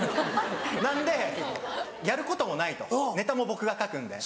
なんで「やることもない」とネタも僕が書くんで。